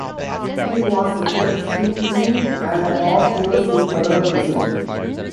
He was sentenced to two and a half years in federal prison.